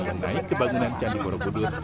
yang naik kebangunan candi borobudur